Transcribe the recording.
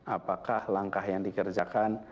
apakah langkah yang dikerjakan